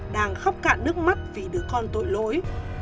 đang khóc cạn nước mắt vì đứa con tội lỗi